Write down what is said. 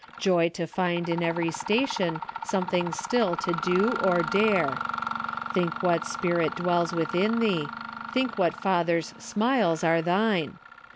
Joy to find in every station Something still to do or dare. Think what Spirit dwells within thee. Think what Father's smiles are thine